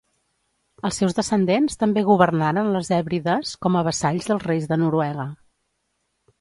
Els seus descendents també governaren les Hèbrides com a vassalls dels reis de Noruega.